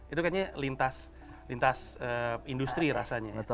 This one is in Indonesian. itu kayaknya lintas industri rasanya